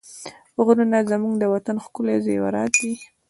غرونه زموږ د وطن ښکلي زېورات دي.